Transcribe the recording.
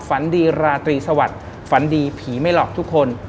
ฝันดีราตรีสวัสดิ์ฝันดีผีไม่หลอกทุกคน